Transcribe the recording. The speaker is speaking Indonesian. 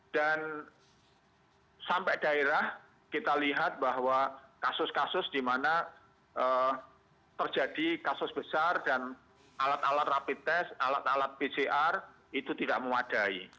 dan sampai daerah kita lihat bahwa kasus kasus di mana terjadi kasus besar dan alat alat rapid test alat alat pcr itu tidak memadai